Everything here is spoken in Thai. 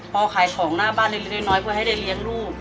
พอขายของหน้าบ้านเล็กน้อยเพื่อให้ได้เลี้ยงลูก